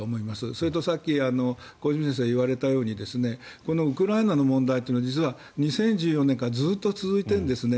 それとさっき小泉先生が言われたようにこのウクライナの問題というのは２０１４年からずっと続いているんですね。